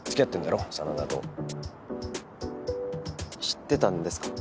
知ってたんですか。